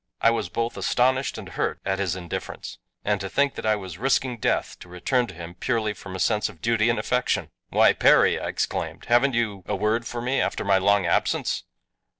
I was both astonished and hurt at his indifference. And to think that I was risking death to return to him purely from a sense of duty and affection! "Why, Perry!" I exclaimed, "haven't you a word for me after my long absence?"